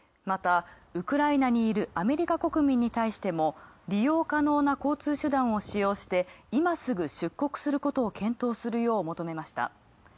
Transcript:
また、ウクライナにいるアメリカ国民に対しても利用可能な交通手段を利用していますぐ出国することを検討するよう求めました。